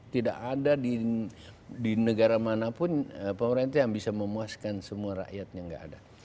tidak ada di negara manapun pemerintah yang bisa memuaskan semua rakyat yang tidak ada